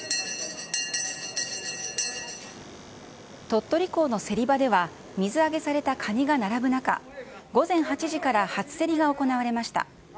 鳥取港の競り場では、水揚げされたかにが並ぶ中、午前８時から初競りが行われました。